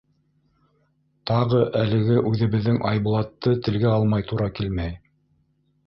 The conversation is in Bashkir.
Тағы әлеге үҙебеҙҙең Айбулатты телгә алмай тура килмәй.